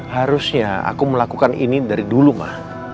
harusnya aku melakukan ini dari dulu mah